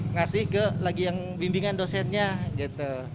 ngasih ke lagi yang bimbingan dosennya gitu